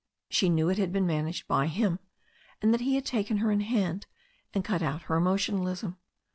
She knew it had been managed by him, and that he had taken her in hand, and cut out her emotionalism.